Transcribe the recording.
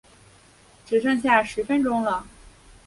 只剩下十分钟了